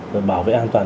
và bảo vệ an toàn